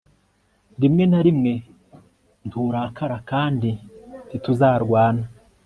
rimwe na rimwe nturakara kandi ntituzarwana